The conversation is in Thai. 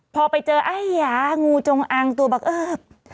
พอไปเจออัยยางูจงอางตัวแบบเออ